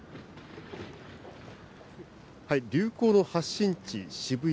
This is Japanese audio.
流行の発信地、渋谷。